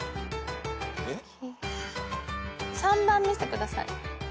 ３番見せてください。